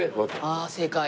ああ正解。